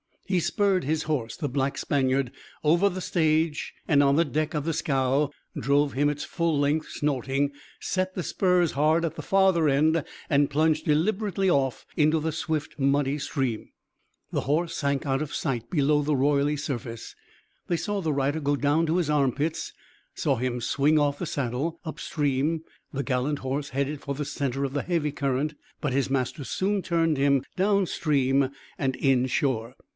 He spurred his horse, the black Spaniard, over the stage and on the deck of the scow, drove him its full length, snorting; set the spurs hard at the farther end and plunged deliberately off into the swift, muddy stream. The horse sank out of sight below the roily surface. They saw the rider go down to his armpits; saw him swing off saddle, upstream. The gallant horse headed for the center of the heavy current, but his master soon turned him downstream and inshore.